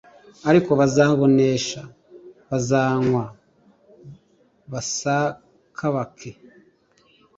ariko bazabanesha bazanywa basakabake